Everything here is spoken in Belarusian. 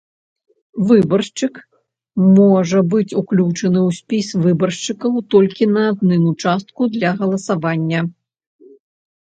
Выбаршчык можа быць уключаны ў спіс выбаршчыкаў толькі на адным участку для галасавання.